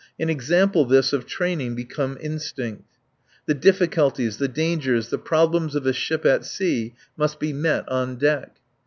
An example this of training become instinct. The difficulties, the dangers, the problems of a ship at sea must be met on deck.